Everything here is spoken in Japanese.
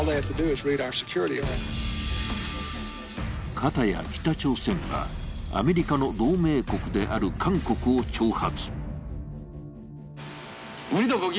片や北朝鮮は、アメリカの同盟国である韓国を挑発。